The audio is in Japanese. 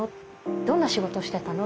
どんな仕事をしてたの？